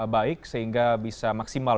baik sehingga bisa maksimal